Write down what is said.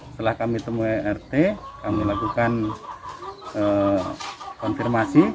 setelah kami temui rt kami lakukan konfirmasi